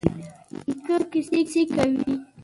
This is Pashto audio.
نیکه کیسې کوي.